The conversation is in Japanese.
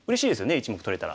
１目取れたら。